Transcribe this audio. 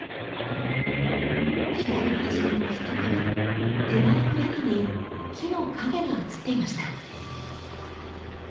光り始めの一コマ手前の屋根に木の影が映っていました。